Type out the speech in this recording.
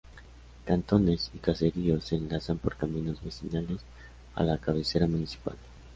Cantones y caseríos se enlazan por caminos vecinales a la cabecera municipal.